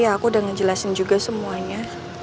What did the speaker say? ya aku udah ngejelasin juga semuanya